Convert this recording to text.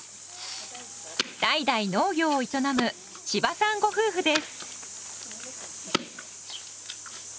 代々農業を営む千葉さんご夫婦です。